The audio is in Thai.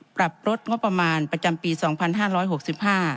ปรับลดงบประมาณประจำปีสองพันห้าร้อยหกสิบห้า